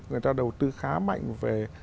người ta đầu tư khá mạnh về